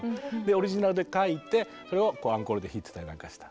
オリジナルで書いてそれをアンコールで弾いてたりなんかした。